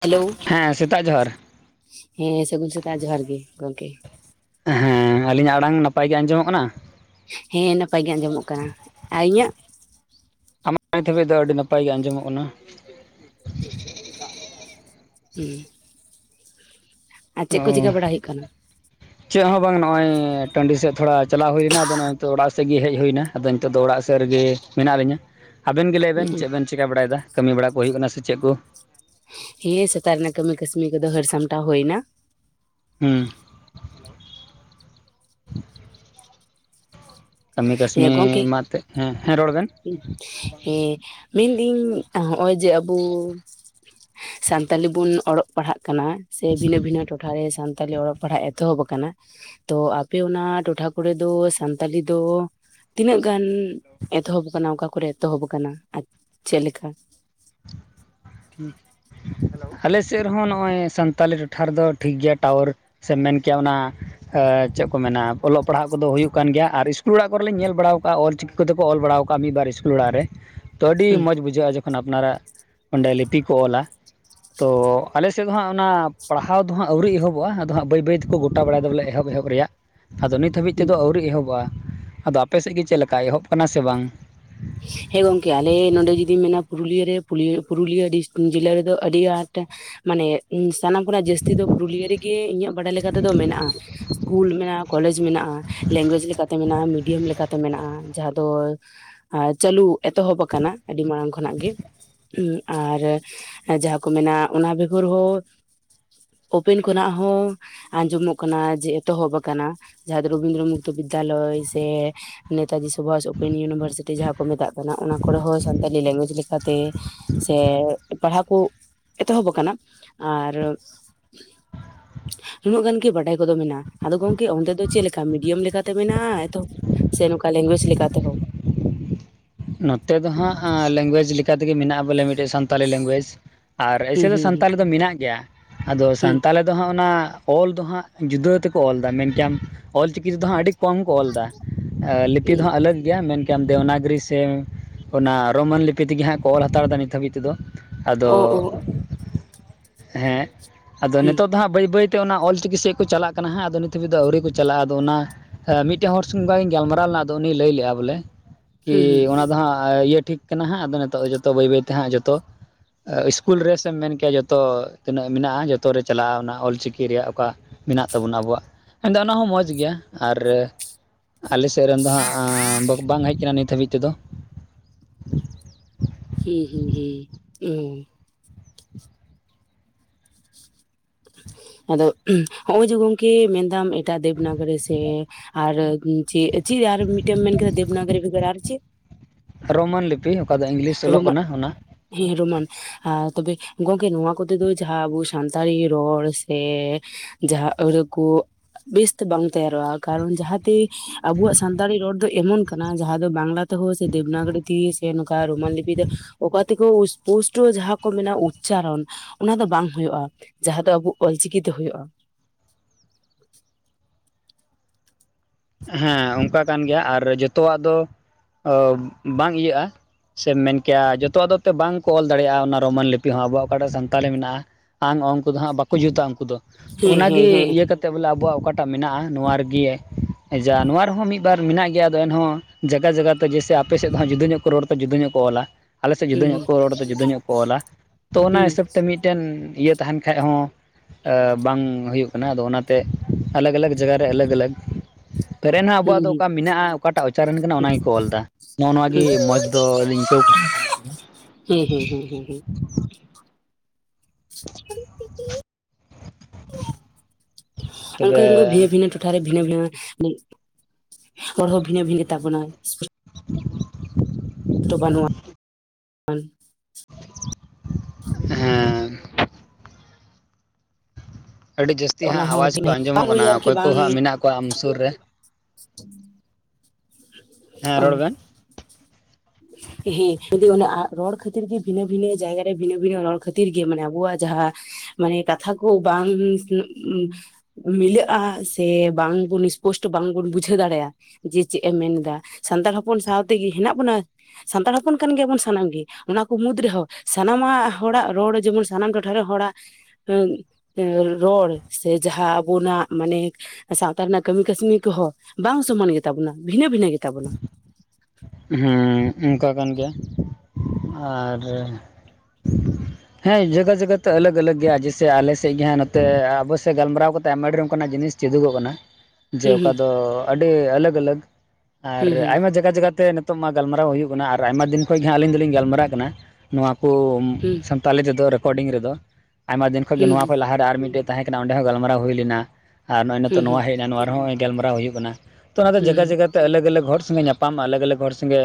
Hello ᱦᱮᱸ ᱥᱮᱛᱟᱜ ᱡᱚᱦᱟᱨ ᱾ ᱦᱮᱸ ᱥᱟᱹᱜᱩᱱ ᱥᱮᱛᱟᱜ ᱡᱚᱦᱟᱨ ᱜᱮ, ᱜᱚᱢᱠᱮ ᱾ ᱦᱮᱸ, ᱟᱹᱞᱤᱧᱟᱜ ᱟᱲᱟᱝ ᱱᱟᱯᱟᱭ ᱜᱮ ᱟᱸᱡᱚᱢᱚᱜ ᱠᱟᱱᱟ? ᱦᱮᱸ ᱱᱟᱯᱟᱭ ᱜᱮ ᱟᱸᱡᱚᱢᱚᱜ ᱠᱟᱱᱟ, ᱟᱨ ᱤᱧᱟᱹᱜ? ᱟᱢᱟᱜ ᱱᱤᱛ ᱦᱟᱹᱵᱤᱡ ᱫᱚ ᱟᱹᱰᱤ ᱱᱟᱯᱟᱭ ᱜᱮ ᱟᱸᱡᱚᱢᱚᱜ ᱠᱟᱱᱟ ᱾ [unintelligible] ᱟᱨ ᱪᱮᱫ ᱠᱚ ᱚ ᱪᱤᱠᱟᱹ [unintelligible] ᱵᱟᱲᱟ ᱦᱩᱭᱩᱜ ᱠᱟᱱᱟ ᱪᱮᱫ ᱦᱚᱸ ᱵᱟᱝ ᱱᱚᱜᱼᱚᱭ ᱴᱟᱺᱰᱤ ᱥᱮᱫ ᱛᱷᱚᱲᱟ ᱪᱟᱞᱟᱣ ᱦᱩᱭᱱᱟ ᱟᱫᱚ ᱱᱤᱛᱚᱜ ᱚᱲᱟᱜ ᱥᱮᱫ ᱜᱮ ᱦᱮᱡ ᱦᱩᱭᱱᱟ ᱾ ᱟᱫᱚ ᱱᱤᱛᱚᱜ ᱫᱚ ᱚᱲᱟᱜ ᱥᱮᱫ ᱨᱮᱜᱮ ᱢᱮᱱᱟᱜ ᱞᱤᱧᱟᱹ ᱾ ᱟᱵᱤᱱ ᱜᱮ ᱞᱟᱹᱭ ᱵᱮᱱ ᱦᱩᱸ ᱪᱮᱫ ᱵᱤᱱ ᱪᱤᱠᱟᱹ ᱵᱟᱲᱟᱭᱮᱫᱟ? ᱠᱟᱹᱢᱤ ᱵᱟᱲᱟ ᱠᱚ ᱦᱩᱭᱩᱜ ᱠᱟᱱᱟ ᱥᱮ ᱪᱮᱫ ᱠᱚ? ᱦᱮᱸ ᱥᱮᱛᱟᱜ ᱨᱮᱱᱟᱜ ᱠᱟᱹᱢᱤ ᱠᱟᱹᱥᱱᱤ ᱠᱚᱫᱚ ᱦᱟᱹᱨ ᱥᱟᱢᱴᱟᱣ ᱦᱩᱭᱱᱟ ᱾ ᱦᱩᱸ ᱾ ᱠᱟᱹᱢᱤ ᱦᱮᱸ ᱜᱚᱢᱠᱮ ᱠᱟᱹᱥᱱᱤ ᱢᱟᱛ ᱦᱮᱸ, ᱦᱮᱸ ᱨᱚᱲ ᱵᱮᱱ ᱾ [unintelligible] ᱦᱮᱸ [unintelligible] ᱢᱮᱱᱫᱤᱧ ᱱᱚᱜᱼᱚᱭ ᱡᱮ ᱟᱵᱚᱼᱼ ᱥᱟᱱᱛᱟᱞᱤ ᱵᱚᱱ ᱚᱞᱚᱜ ᱯᱟᱲᱦᱟᱜ ᱠᱟᱱᱟ, ᱥᱮ ᱵᱷᱤᱱᱟᱹ ᱵᱷᱤᱱᱟᱹ ᱴᱚᱴᱷᱟ ᱨᱮ ᱥᱟᱱᱛᱟᱞᱤ ᱚᱼᱼ ᱯᱟᱲᱦᱟᱜ ᱮᱛᱚᱦᱚᱵ ᱟᱠᱟᱱᱟ, ᱛᱚ ᱟᱯᱮ ᱚᱱᱟ ᱴᱚᱴᱷᱟ ᱠᱚᱨᱮ ᱫᱚ ᱥᱟᱱᱛᱟᱞᱤ ᱫᱚᱼᱼ ᱛᱤᱱᱟᱹᱜ ᱜᱟᱱ ᱮᱛᱚᱦᱚᱵ ᱟᱠᱟᱱᱟ ᱚᱠᱟ ᱠᱚᱨᱮ ᱮᱛᱚᱦᱚᱵ ᱟᱠᱟᱱᱟ, ᱪᱮᱫ ᱞᱮᱠᱟ? [inaudible] [unintelligible] ᱟ ᱞᱮ ᱥᱮᱫ ᱨᱮᱦᱚᱸ ᱱᱚᱜᱼᱚᱭ ᱥᱟᱱᱛᱟᱞᱤ ᱴᱚᱴᱷᱟ ᱨᱮᱫᱚ ᱴᱷᱤᱠ ᱜᱮᱭᱟ ᱴᱟᱣᱚᱨ ᱥᱮᱢ ᱢᱮᱱ ᱠᱮᱭᱟ ᱚᱱᱟᱼᱼ ᱦᱮᱸ ᱪᱮᱫ ᱠᱚ ᱢᱮᱱᱟ ᱚᱞᱚᱜ ᱯᱟᱲᱦᱟᱜ ᱠᱚᱫᱚ ᱦᱩᱭᱩᱜ ᱠᱟᱱ ᱜᱮᱭᱟ ᱟᱨ ᱤᱥᱠᱩᱞ ᱚᱲᱟᱜ ᱠᱚᱨᱮᱫᱞᱤᱧ ᱧᱮᱞ ᱵᱟᱲᱟᱣ ᱠᱟᱜᱼᱟ ᱚᱞ ᱪᱤᱼᱼ ᱫᱚᱠᱚ ᱚᱞ ᱵᱟᱲᱟᱣ ᱟᱠᱟᱫᱼᱟ ᱢᱤᱫ ᱵᱟᱨ ᱤᱥᱠᱩᱞ ᱚᱲᱟᱜ ᱨᱮ ᱛᱚ ᱟᱹᱰᱤ ᱦᱮᱸ ᱢᱚᱡᱽ ᱵᱩᱡᱟᱹᱜᱼᱟ ᱡᱚᱠᱷᱚᱱ ᱟᱯᱱᱟᱨᱟᱜᱼᱼ ᱚᱸᱰᱮ ᱞᱤᱯᱤ ᱠᱚ ᱚᱞᱟ ᱾ ᱛᱚ ᱟᱞᱮᱥᱮᱫ ᱫᱚ ᱦᱟᱸᱜ ᱚᱱᱟ ᱯᱟᱲᱦᱟᱣ ᱫᱚ ᱦᱟᱸᱜ ᱟᱹᱣᱨᱤ ᱮᱦᱚᱵᱚᱜᱼᱟ, ᱟᱫᱚ ᱦᱟᱸᱜ ᱵᱟᱹᱭ ᱵᱟᱹᱭᱛᱮᱼᱼ ᱩᱱᱠᱩ ᱜᱚᱴᱟ ᱵᱟᱲᱟ ᱫᱚ ᱵᱚᱞᱮ ᱮᱦᱚᱵ ᱮᱦᱚᱵ ᱨᱮᱭᱟᱜᱼᱼ ᱟᱫᱚ ᱱᱤᱛ ᱦᱟᱹᱵᱤᱡ ᱛᱮᱫᱚ ᱟᱹᱣᱨᱤ ᱮᱦᱚᱵᱚᱜᱼᱟ, ᱟᱫᱚ ᱟᱯᱮ ᱥᱮᱫ ᱜᱮ ᱪᱮᱫᱞᱮᱠᱟ ᱮᱦᱚᱵ ᱠᱟᱱᱟ ᱥᱮ ᱵᱟᱝ? ᱦᱮᱸ ᱜᱚᱢᱠᱮ ᱟᱞᱮ ᱱᱚᱸᱰᱮ ᱡᱩᱫᱤᱢ ᱢᱮᱱᱟ ᱯᱩᱨᱩᱞᱤᱭᱟᱹ ᱨᱮ ᱯᱩᱨᱩᱞᱤᱭᱟᱹ ᱡᱮᱞᱟ ᱨᱮᱫᱚ ᱟᱹᱰᱤ ᱟᱸᱴᱼᱼ ᱢᱟᱱᱮ ᱥᱟᱱᱟᱢ ᱠᱷᱚᱱᱟᱜ ᱡᱟᱹᱥᱛᱤ ᱫᱚ ᱯᱩᱨᱩᱞᱤᱭᱟᱹ ᱨᱮᱜᱮ ᱤᱧᱟᱹᱜ ᱵᱟᱲᱟᱭ ᱞᱮᱠᱟ ᱛᱮᱫᱚ ᱢᱮᱱᱟᱜᱼᱟ ᱾ ᱤᱥᱠᱩᱞ ᱢᱮᱱᱟᱜᱼᱟ, ᱠᱚᱞᱮᱡᱽ ᱢᱮᱱᱟᱜᱼᱟ ᱾ ᱞᱮᱝᱜᱩᱭᱮᱡᱽ ᱞᱮᱠᱟ ᱛᱮ ᱢᱮᱱᱟᱜᱼᱟ, ᱢᱤᱰᱤᱭᱟᱢ ᱞᱮᱠᱟ ᱛᱮ ᱢᱮᱱᱟᱜᱼᱟ, ᱡᱟᱦᱟᱸ ᱫᱚ ᱟᱨ ᱪᱟᱹᱞᱩ ᱮᱛᱚᱦᱚᱵ ᱟᱠᱟᱱᱟ ᱟᱹᱰᱤ ᱢᱟᱲᱟᱝ ᱠᱷᱚᱱᱟᱜ ᱜᱮ ᱾ ᱦᱩᱸ ᱟᱨ ᱡᱟᱦᱟᱸ ᱠᱚ ᱢᱮ ᱚᱱᱟ ᱵᱮᱜᱚᱨ ᱦᱚᱸ ᱳᱯᱮᱱ ᱠᱷᱚᱱᱟᱜ ᱦᱚᱸ ᱟᱸᱡᱚᱢᱚᱜ ᱠᱟᱱᱟ ᱡᱮ ᱮᱛᱚᱦᱚᱵ ᱟᱠᱟᱱᱟ ᱾ ᱡᱟᱦᱟᱸ ᱫᱚ ᱨᱚᱵᱤᱱᱫᱨᱚ ᱢᱩᱠᱛᱚ ᱵᱤᱫᱽᱫᱟᱞᱚᱭ ᱥᱮ ᱱᱮᱛᱡᱤ ᱥᱩᱵᱷᱟᱥ ᱳᱯᱮᱱ ᱤᱭᱩᱱᱤᱵᱷᱟᱨᱥ ᱡᱟᱦᱟᱸ ᱠᱚ ᱢᱮᱛᱟᱜ ᱠᱟᱱᱟ ᱚᱱᱟ ᱠᱚᱨᱮᱦᱚᱸ ᱥᱟᱱᱛᱟᱞᱤ ᱞᱮᱜᱩᱭᱮᱡᱽ ᱞᱮᱠᱟᱛᱮ ᱥᱮ ᱯᱟᱲᱦᱟ ᱠᱚ ᱮᱛᱚᱦᱚᱵ ᱟᱠᱟᱱᱟ, ᱟᱨ ᱩᱱᱟᱹᱜ ᱜᱟᱱ ᱜᱮ ᱵᱟᱰᱟᱭ ᱠᱚᱫᱚ ᱢᱮᱱᱟᱜᱼᱟ ᱾ ᱟᱫᱚ ᱜᱚᱝᱠᱮ ᱚᱱᱰᱮ ᱫᱚ ᱪᱮᱫ ᱞᱮᱠᱟ ᱢᱤᱰᱤᱭᱟᱢ ᱞᱮᱠᱟᱛᱮ ᱢᱮᱱᱟᱜᱼᱟ? ᱮᱛᱚ ᱥᱮ ᱱᱚᱝᱠᱟ ᱞᱮᱝᱜᱩᱭᱮᱡᱽ ᱞᱮᱠᱟ ᱛᱮᱦᱚᱸ? ᱱᱚᱛᱮ ᱫᱚ ᱦᱟᱸᱜ ᱞᱮᱝᱜᱩᱭᱮᱡᱽ ᱞᱮᱠᱟ ᱛᱮᱜᱮ ᱢᱮᱱᱟᱜᱼᱟ ᱵᱚᱞᱮ ᱢᱤᱫᱴᱮᱡ ᱥᱟᱱᱛᱟᱞᱤ ᱞᱮᱝᱜᱩᱭᱮᱡᱽ ᱾ ᱟᱨ ᱮᱭᱥᱮ ᱦᱩᱸ ᱫᱚ ᱦᱩᱸ ᱦᱩᱸ ᱥᱟᱱᱛᱟᱞᱤ ᱫᱚ ᱢᱮᱱᱟᱜ ᱜᱮᱭᱟ ᱟᱫᱚ ᱦᱩᱸ ᱥᱟᱱᱛᱟ ᱫᱚ ᱦᱟᱸᱜ ᱚᱱᱟ ᱚᱞ ᱫᱚ ᱦᱟᱸᱜ ᱡᱩᱫᱟᱹ ᱛᱮᱠᱚ ᱚᱞ ᱫᱟ ᱢᱮᱱ ᱠᱮᱭᱟᱱ ᱚᱞ ᱪᱤᱠᱤ ᱛᱚ ᱫᱚ ᱦᱟᱸᱜ ᱟᱹᱰᱤ ᱠᱚᱢ ᱠᱚ ᱚᱞ ᱮᱫᱟ, ᱞᱤᱯᱤ ᱦᱩᱸ ᱫᱚᱦᱟᱜ ᱟᱞᱟᱜᱽ ᱜᱮᱭᱟ ᱢᱮᱱ ᱠᱮᱭᱟᱢ ᱫᱮᱣᱱᱟᱜᱽᱨᱤ ᱛᱮ ᱚᱱᱟ ᱨᱳᱢᱟᱱ ᱞᱤᱯᱤ ᱛᱮᱜᱮ ᱦᱟᱸᱜ ᱠᱚ ᱚᱞ ᱦᱟᱛᱟᱲ ᱮᱫᱟ ᱱᱤᱛ ᱦᱟᱹᱵᱤᱡ ᱛᱮᱫᱚ ᱾ ᱟᱫᱚ, ᱚ ᱚ ᱦᱮᱸ ᱟᱫᱚ ᱦᱩᱸ ᱱᱤᱛᱚᱜ ᱟᱫᱚ ᱦᱟᱸᱜ ᱵᱟᱹᱭ ᱵᱟᱹᱭᱛᱮ ᱚᱱᱟ ᱚᱞ ᱪᱤᱠᱤ ᱥᱮᱫ ᱠᱚ ᱪᱟᱞᱟᱜ ᱠᱟᱱᱟ ᱦᱟᱸᱜ, ᱟᱫᱚ ᱱᱤᱛ ᱦᱟᱹᱵᱤᱡ ᱫᱚ ᱱᱟᱜ ᱟᱹᱣᱨᱤ ᱠᱚ ᱪᱟᱞᱟᱜ-ᱟ ᱾ ᱟᱫᱚ ᱚᱱᱟ ᱦᱮᱸ ᱢᱤᱫᱴᱟᱝ ᱦᱚᱲ ᱥᱚᱜᱮᱸᱤᱧ ᱜᱟᱞᱢᱟᱨᱟᱣ ᱞᱮᱱᱟ ᱟᱫᱚ ᱩᱱᱤᱭ ᱞᱟᱹᱭ ᱞᱮᱜ-ᱟ ᱵᱚᱞᱮ ᱾ ᱠᱤ ᱦᱩᱸ ᱦᱩᱸ ᱚᱱᱟ ᱫᱚ ᱦᱟᱸᱜ ᱤᱭᱟᱹ ᱴᱷᱤᱠ ᱠᱟᱱᱟ ᱦᱟᱸᱜ ᱟᱫᱚ ᱱᱤᱛᱚᱜ ᱫᱚ ᱡᱚᱛᱚ ᱵᱟᱹᱭ ᱵᱟᱹᱭ ᱛᱮ ᱦᱟᱸᱜ ᱡᱚᱛᱚ ᱤᱥᱠᱩᱞ ᱨᱮ ᱥᱮᱢ ᱢᱮᱱ ᱠᱮᱭᱟ ᱡᱚᱛᱚ ᱛᱤᱱᱟᱹᱜ ᱢᱮᱱᱟᱜ-ᱟ ᱡᱚᱛᱚ ᱨᱮ ᱪᱟᱞᱟᱜ-ᱟ ᱚᱱᱟ ᱚᱞ ᱪᱤᱠᱤ ᱨᱮᱭᱟᱜ ᱚᱠᱟ ᱢᱮᱱᱟᱜ ᱛᱟᱵᱚᱱᱟ ᱟᱵᱚᱣᱟᱜ ᱢᱮᱱᱫᱚ ᱚᱱᱟ ᱦᱚᱸ ᱢᱚᱡᱽ ᱜᱮᱭᱟ ᱟᱨ ᱟᱞᱮ ᱥᱮᱫ ᱨᱮᱱ ᱫᱚ ᱦᱟᱸᱜ ᱟᱸᱻ [unintelligible] ᱵᱟᱝ ᱦᱮᱡ ᱟᱠᱟᱱᱟ ᱱᱤᱛ ᱦᱟᱹᱵᱤᱡ ᱛᱮᱫᱚ ᱾ ᱦᱩᱸ ᱦᱩᱸ ᱦᱩᱸ [unintelligible] ᱟᱫᱚ ᱦᱚᱜ ᱱᱚᱜ-ᱚᱭ ᱡᱮ ᱜᱚᱝᱠᱮ ᱢᱮᱱ ᱫᱟᱢ ᱮᱴᱟᱜ ᱫᱮᱵᱽᱱᱟᱜᱨᱤ ᱥᱮ ᱟᱨ ᱪᱮᱫ ᱪᱮᱫ ᱟᱨ ᱢᱤᱫᱴᱮᱱ ᱮᱢ ᱢᱮᱱ ᱠᱮᱫᱟ ᱫᱮᱵᱽᱱᱟᱜᱨᱤ ᱵᱮᱜᱚᱨ ᱟᱨ ᱪᱮᱫ? ᱨᱳᱢᱟᱱ ᱞᱤᱯᱤ ᱚᱠᱟ ᱫᱚ ᱤᱝᱞᱤᱥ ᱚᱞᱚᱜ ᱨᱳᱢᱟᱱ ᱠᱟᱱᱟ ᱚᱱᱟ ᱾ ᱦᱮᱸ ᱦᱮᱸ ᱨᱳᱢᱟᱱ ᱾ ᱟᱻ ᱛᱚᱵᱮ ᱜᱚᱝᱠᱮ ᱱᱚᱣᱟ ᱠᱚᱛᱮ ᱫᱚ ᱡᱟᱦᱟᱸ ᱟᱵᱚ ᱥᱟᱱᱛᱟᱲᱤ ᱨᱚᱲ ᱥᱮ ᱡᱟᱦᱟᱸ ᱟᱹᱲᱟᱹ ᱠᱚ ᱵᱮᱥᱛᱮ ᱵᱟᱝ ᱛᱮᱭᱟᱨᱚᱜ-ᱟ ᱠᱟᱨᱚᱱ ᱡᱟᱦᱟᱸ ᱛᱮ ᱟᱵᱚᱣᱟᱜ ᱥᱟᱱᱛᱟᱲᱤ ᱨᱚᱲ ᱫᱚ ᱮᱢᱚᱱ ᱠᱟᱱᱟ ᱡᱟᱦᱟᱸ ᱫᱚ ᱵᱟᱝᱞᱟ ᱛᱮᱦᱚᱸ, ᱥᱮ ᱫᱮᱵᱽᱱᱟᱜᱨᱤ ᱛᱮᱜᱮ ᱥᱮ ᱚᱠᱟ ᱨᱩᱢᱟᱱ ᱞᱤᱯᱤ ᱫᱚ ᱚᱠᱟ ᱛᱮᱠᱚ ᱯᱩᱥᱴᱟᱣᱟ ᱡᱟᱦᱟᱸ ᱠᱚ ᱢᱮᱱᱟ ᱩᱪᱪᱟᱨᱚᱱ, ᱚᱱᱟ ᱫᱚ ᱵᱟᱝ ᱦᱩᱭᱩᱜ-ᱟ ᱡᱟᱦᱟᱸ ᱫᱚ ᱟᱵᱚ ᱚᱞᱪᱤᱠᱤ ᱛᱮ ᱦᱩᱭᱩᱜ-ᱟ ᱾ ᱦᱮᱸ ᱚᱱᱠᱟ ᱠᱟᱱ ᱜᱮᱭᱟ ᱟᱨ ᱡᱚᱛᱚᱣᱟᱜ ᱫᱚ ᱵᱟᱝ ᱤᱭᱟᱹᱜ-ᱟ ᱾ ᱥᱮᱢ ᱢᱮᱱ ᱠᱮᱭᱟ ᱡᱚᱛᱚᱣᱟᱜ ᱫᱚ ᱮᱛᱮ ᱵᱟᱝᱠᱚ ᱚᱞ ᱫᱟᱲᱮᱭᱟᱜ-ᱟ ᱚᱱᱟ ᱨᱳᱢᱟᱱ ᱞᱤᱯᱤ ᱦᱚᱸ ᱟᱵᱚᱣᱟᱜ ᱚᱠᱟᱴᱟᱜ ᱥᱟᱱᱛᱟᱞᱤ ᱢᱮᱱᱟᱜ-ᱟ ᱾ ᱟᱝ, ᱚᱝ ᱩᱱᱠᱩ ᱫᱚ ᱦᱟᱸᱜ ᱵᱟᱠᱚ ᱡᱩᱛᱟ ᱩᱱᱠᱩ ᱫᱚ ᱛᱚ, ᱦᱮᱸ ᱚᱱᱟ ᱦᱮᱸ ᱜᱮ ᱦᱮᱸ ᱤᱭᱟᱹ ᱠᱟᱛᱮᱫ ᱵᱚᱞᱮ ᱟᱵᱚᱣᱟᱜ ᱚᱠᱟᱴᱟᱜ ᱢᱮᱱᱟᱜ-ᱟ ᱱᱚᱣᱟ ᱨᱮᱜᱮ ᱡᱟ ᱱᱚᱣᱟ ᱨᱮᱦᱚᱸ ᱢᱤᱫ ᱵᱟᱨ ᱢᱮᱱᱟᱜ ᱜᱮᱭᱟ ᱟᱫᱚ ᱮᱱᱦᱚᱸ ᱡᱟᱜᱟ ᱡᱟᱜᱟ ᱛᱮ ᱡᱮᱥᱮ ᱟᱯᱮ ᱥᱮᱫ ᱦᱟᱸᱜ ᱡᱩᱫᱟᱹ ᱧᱚᱜ ᱠᱚ ᱨᱚᱲ ᱡᱩᱫᱟᱹ ᱧᱚᱜ ᱠᱚ ᱚᱞᱟ ᱾ ᱟᱞᱮ ᱥᱮᱫ ᱡᱩᱫᱟᱹ ᱧᱚᱜ ᱦᱩᱸ ᱠᱚ ᱨᱚᱲᱟ ᱛᱚ ᱡᱩᱫᱟᱹ ᱧᱚᱜ ᱠᱚ ᱚᱞᱟ ᱾ ᱛᱚ ᱚᱱᱟ ᱦᱩᱸ ᱦᱤᱥᱟᱹᱵᱽ ᱛᱮ ᱢᱤᱫᱴᱮᱱ ᱤᱭᱟᱹ ᱛᱟᱦᱮᱱ ᱠᱷᱟᱡ ᱦᱚᱸ ᱮᱸ ᱵᱟᱝ ᱦᱩᱭᱩᱜ ᱠᱟᱱᱟ, ᱟᱫᱚ ᱚᱱᱟᱛᱮ ᱟᱞᱟᱜᱽ ᱟᱞᱟᱜᱽ ᱡᱟᱜᱟ ᱨᱮ ᱟᱞᱟᱜᱽ ᱟᱞᱟᱜᱽ ᱾ ᱯᱮᱨᱮᱱ ᱦᱚᱸ ᱦᱩᱸ ᱟᱵᱚᱣᱟᱜ ᱫᱚ ᱚᱠᱟ ᱢᱮᱱᱟᱜ-ᱟ ᱚᱠᱟᱴᱟᱜ ᱩᱪᱟᱨᱚᱱ ᱠᱟᱱᱟ ᱦᱩᱸ ᱚᱱᱟ ᱜᱮᱠᱚ ᱚᱞ ᱮᱫᱟ ᱾ ᱱᱚᱜ-ᱚ ᱱᱚᱣᱟ ᱜᱮ ᱦᱩᱸ ᱦᱩᱸ ᱢᱚᱸᱡᱽ ᱫᱚ ᱞᱤᱧ ᱟᱹᱭᱠᱟᱹᱣ ᱠᱟᱜ ᱾ ᱦᱮᱸ ᱦᱮᱸ ᱦᱩᱸ ᱦᱩᱸ ᱦᱩᱸ ᱾ [unintelligible] ᱚᱱᱠᱟ ᱛᱚᱵᱮ ᱜᱮ [inaudible] ᱵᱷᱤᱱᱟᱹ ᱵᱷᱤᱱᱟᱹ ᱴᱚᱴᱷᱟᱨᱮ ᱵᱷᱤᱱᱟᱹ ᱵᱷᱤᱱᱟᱹ, ᱨᱚᱲ ᱦᱚᱸ ᱵᱷᱤᱱᱟᱹ ᱵᱷᱤᱱᱟᱹ ᱛᱟᱵᱚᱱᱟ ᱾ [inaudible] ᱛᱚ ᱵᱟᱹᱱᱩᱜ-ᱟ [unintelligible] ᱦᱮᱸ [inaudible] ᱟᱹᱰᱤ ᱡᱟᱹᱥᱛᱤ ᱚᱱᱟ ᱦᱟᱸᱜ ᱦᱚᱸ ᱟᱣᱟᱡᱽ ᱠᱚ ᱟᱸᱡᱚᱢᱚᱜ ᱵᱟᱝ ᱠᱟᱱᱟ ᱤᱭᱟᱹ ᱟᱨᱠᱤ ᱚᱠᱚᱭ ᱠᱚ ᱵᱟᱝ ᱦᱟᱸᱜ ᱢᱮᱱᱟᱜ ᱠᱚᱣᱟ ᱟᱢ ᱥᱩᱨ ᱨᱮ [inaudible] ᱦᱮᱸ ᱨᱚᱲ ᱵᱮᱱ᱾ ᱦᱮᱸ ᱥᱩᱫᱩ ᱚᱱᱟ ᱨᱚᱲ ᱠᱷᱟᱛᱤᱨ ᱜᱮ ᱵᱷᱤᱱᱟᱹ ᱵᱷᱤᱱᱟᱹ ᱡᱟᱭᱜᱟ ᱨᱮ ᱵᱷᱤᱱᱟᱹ ᱵᱷᱤᱱᱟᱹ ᱨᱚᱲ ᱠᱷᱟᱛᱤᱨ ᱜᱮ ᱢᱟᱱᱮ ᱟᱵᱚᱣᱟᱜ ᱡᱟᱦᱟᱸ ᱢᱟᱱᱮ ᱠᱟᱛᱷᱟ ᱠᱚ ᱵᱟᱝ [unintelligible] ᱢᱤᱞᱟᱹᱜᱼᱟ ᱥᱮ ᱵᱟᱝᱵᱚᱱ ᱥᱯᱚᱥᱴᱚ ᱵᱟᱝᱵᱚᱱ ᱵᱩᱡᱷᱟᱹᱣ ᱫᱟᱲᱮᱭᱟᱜᱼᱟ᱾ ᱡᱮ ᱪᱮᱫ ᱮᱢ ᱢᱮᱱᱫᱟ ᱥᱟᱱᱛᱟᱲ ᱦᱚᱯᱚᱱ ᱥᱟᱶᱛᱮᱜᱮ ᱦᱮᱱᱟᱜ ᱵᱚᱱᱟ᱾ ᱥᱟᱱᱛᱟᱲ ᱦᱚᱯᱚᱱ ᱠᱟᱱ ᱜᱮᱭᱟᱵᱚᱱ ᱥᱟᱱᱟᱢ ᱜᱮ, ᱚᱱᱟ ᱠᱚ ᱢᱩᱫᱽ ᱨᱮᱦᱚᱸ ᱥᱟᱱᱟᱢᱟᱜ ᱦᱚᱲᱟᱜ ᱨᱚᱲ ᱡᱮᱢᱚᱱ ᱥᱟᱱᱟᱢ ᱴᱚᱴᱷᱟᱨᱮ ᱦᱚᱲᱟᱜ ᱳᱭ ᱨᱚᱲ ᱥᱮ ᱡᱟᱦᱟᱸ ᱟᱵᱚᱱᱟᱜ ᱢᱟᱱᱮ ᱥᱟᱶᱛᱟ ᱨᱮᱱᱟᱜ ᱠᱟᱹᱢᱤ ᱠᱟᱹᱥᱱᱢᱤ ᱠᱚᱦᱚᱸ ᱵᱟᱝ ᱥᱚᱢᱟᱱ ᱜᱮᱛᱟᱵᱚᱱᱟ ᱵᱷᱤᱱᱟᱹ ᱵᱷᱤᱱᱟᱹ ᱜᱮᱛᱟ ᱵᱚᱱᱟ᱾ ᱦᱩᱸᱚᱝᱠᱟ ᱠᱟᱱ ᱜᱮᱭᱟ ᱟᱨ ᱦᱮᱸ ᱡᱟᱜᱟ ᱡᱟᱜᱟ ᱛᱚ ᱟᱞᱟᱜᱽ ᱟᱞᱟᱜᱽ ᱜᱮᱭᱟ ᱡᱮᱥᱮ ᱟᱞᱮᱥᱮᱫ ᱜᱮ ᱡᱟᱦᱟᱸ ᱱᱚᱛᱮ ᱟᱵᱚ ᱥᱮᱫ ᱜᱟᱞᱢᱟᱨᱟᱣ ᱠᱟᱛᱮ ᱟᱭᱢᱟ ᱰᱷᱮᱨ ᱚᱱᱠᱟᱱᱟᱜ ᱡᱤᱱᱤᱥ ᱪᱮᱫᱚᱜᱚᱜ ᱠᱟᱱᱟ ᱡᱮ ᱚᱠᱟ ᱦᱩᱸ ᱫᱚ ᱟᱹᱰᱤ ᱟᱞᱟᱜᱽ ᱟᱞᱟᱜᱽ ᱟᱨ ᱦᱩᱸ ᱟᱭᱢᱟ ᱦᱩᱸ ᱡᱟᱜᱟ ᱡᱟᱜᱟ ᱛᱮ ᱱᱤᱛᱚᱜ ᱢᱟ ᱜᱟᱞᱢᱟᱨᱟᱣ ᱦᱩᱭᱩᱜ ᱠᱟᱱᱟ ᱟᱨ ᱟᱭᱢᱟ ᱫᱤᱱ ᱠᱷᱚᱡ ᱜᱮ ᱟᱹᱞᱤᱧ ᱫᱚᱞᱤᱧ ᱜᱟᱞᱢᱟᱨᱟᱜ ᱠᱟᱱᱟ ᱱᱚᱣᱟ ᱠᱚ ᱦᱩᱸ᱾ ᱥᱟᱱᱛᱟᱞᱤ ᱛᱮᱫᱚ ᱨᱮᱠᱚᱰᱤᱝ ᱨᱮᱫᱚ ᱟᱭᱢᱟ ᱫᱤᱱ ᱠᱷᱚᱡ ᱜᱮ ᱦᱩᱸ ᱱᱚᱣᱟ ᱠᱷᱚᱡ ᱞᱟᱦᱟ ᱛᱮ ᱟᱨ ᱢᱤᱫᱴᱮᱡ ᱛᱟᱦᱮᱸ ᱠᱟᱱᱟ ᱚᱸᱰᱮ ᱦᱚᱸ ᱜᱟᱞᱢᱟᱨᱟᱣ ᱦᱩᱭ ᱞᱮᱱᱟ ᱟᱨ ᱱᱚᱜ-ᱚᱸᱭ ᱱᱤᱛᱚᱜ ᱦᱩᱸ ᱦᱩᱸ ᱱᱚᱣᱟ ᱦᱮᱡ ᱮᱱᱟ ᱱᱚᱣᱟ ᱨᱮᱦᱚᱸ ᱜᱟᱞᱢᱟᱨᱟᱣ ᱦᱩᱭᱩᱜ ᱠᱟᱱᱟ᱾ ᱛᱚ ᱚᱱᱟ ᱫᱚ ᱦᱩᱸ ᱡᱟᱜᱟ ᱡᱟᱜᱟ ᱛᱮ ᱚᱞᱚᱜᱽ ᱚᱞᱚᱜᱽ ᱦᱚᱲ ᱥᱚᱸᱜᱮ ᱧᱟᱯᱟᱢ ᱚᱞᱚᱜᱽ ᱚᱞᱚᱜᱽ ᱦᱚᱲ ᱥᱚᱸᱜᱮ